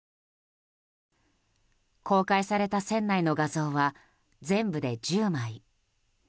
公開された船内の画像は全部で１０枚。